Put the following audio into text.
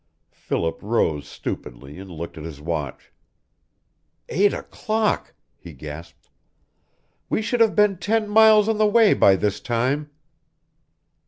Philip rose stupidly and looked at his watch. "Eight o'clock!" he gasped. "We should have been ten miles on the way by this time!"